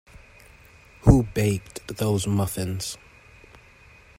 Who baked those muffins?